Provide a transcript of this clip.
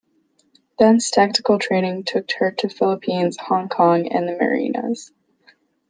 Thence tactical training took her to the Philippines, Hong Kong, and the Marianas.